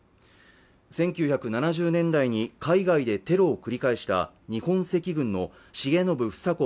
１９７０年代に海外でテロを繰り返した日本赤軍の重信房子